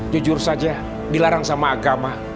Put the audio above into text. jujur saja dilarang sama agama